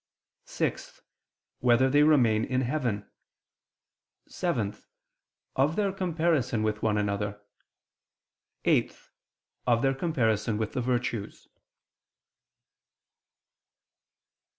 (6) Whether they remain in heaven? (7) Of their comparison with one another; (8) Of their comparison with the virtues.